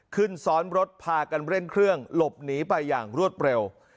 ขึ้นซ้อนรถพากันเร่งเครื่องหลบหนีไปอย่างรวดเร็ว